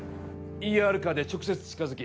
ＥＲカーで直接近づき